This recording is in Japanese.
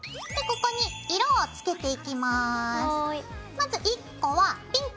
まず１個はピンク。